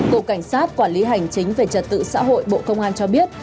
cục cảnh sát quản lý hành chính về trật tự xã hội bộ công an cho biết